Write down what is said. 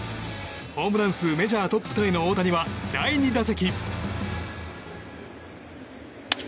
ホームラン数メジャートップタイの大谷は第２打席。